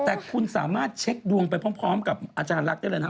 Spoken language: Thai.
แต่คุณสามารถเช็คดวงไปพร้อมกับอาจารย์รักได้เลยนะ